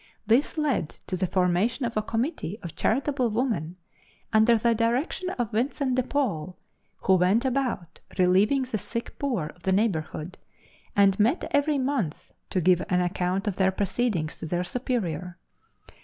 This led to the formation of a committee of charitable women, under the direction of Vincent de Paul, who went about relieving the sick poor of the neighborhood, and met every month to give an account of their proceedings to their superior.